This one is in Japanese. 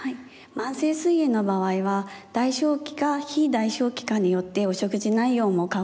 慢性すい炎の場合は代償期か非代償期かによってお食事内容も変わってきます。